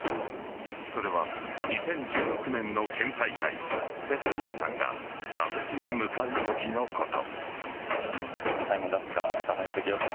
それは２０１６年の県大会瀬戸西さんが打席に向かうときのこと。